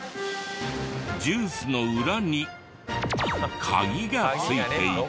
ジュースの裏にカギが付いていて。